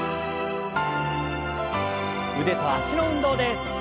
腕と脚の運動です。